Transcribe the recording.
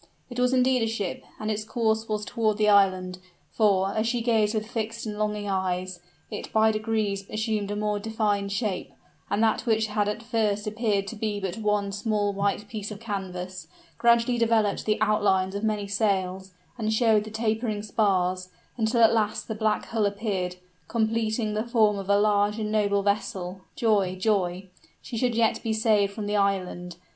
It was indeed a ship, and its course was toward the island; for, as she gazed with fixed and longing eyes, it by degrees assumed a more defined shape; and that which had at first appeared to be but one small white piece of canvas, gradually developed the outlines of many sails, and showed the tapering spars, until at last the black hull appeared, completing the form of a large and noble vessel. Joy! joy she should yet be saved from the island.